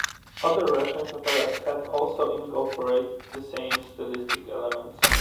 Other Russians operas have also incorporated the same stylistic elements.